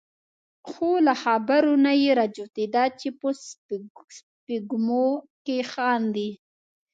خو له خبرو نه یې را جوتېده چې په سپېږمو کې خاندي.